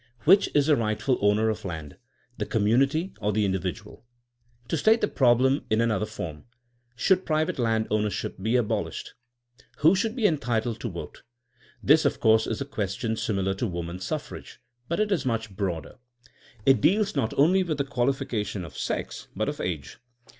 Which is the rightful owner of land, the com munity or the individual? To state the problem in another form: Should private land owner ship be abolished! Who should be entitled to vote? This of course is a question similar to woman suffrage, but it is much broader. It deals not only with the qualification of sex, but of age.